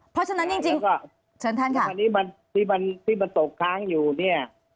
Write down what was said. เพราะฉะนั้นจริงจริงก็เชิญท่านค่ะวันนี้มันที่มันที่มันตกค้างอยู่เนี่ย